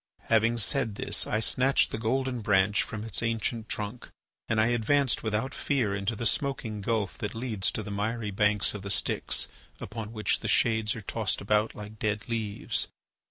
Having said this, I snatched the golden branch from its ancient trunk and I advanced without fear into the smoking gulf that leads to the miry banks of the Styx, upon which the shades are tossed about like dead leaves.